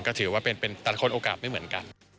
ก็ถือว่าเป็นตัดคนโอกาสไม่เหมือนกัน